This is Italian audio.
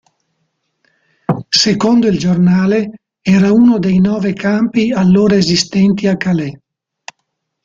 Secondo il giornale, era uno dei nove campi allora esistenti a Calais.